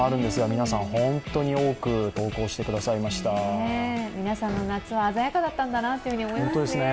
皆さんの夏は鮮やかだったんだなと思いますね。